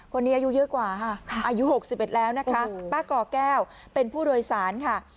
อายุเยอะกว่าค่ะอายุ๖๑แล้วนะคะป้าก่อแก้วเป็นผู้โดยสารค่ะ